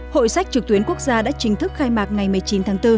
hội sách trực tuyến quốc gia đã chính thức khai mạc ngày một mươi chín tháng bốn